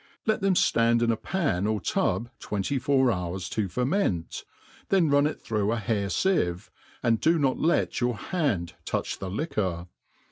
Let them ftand in a pan or tub twenty four hours to ferment ; then run it through a faair* fieve, and do not let your hand touch the liquor.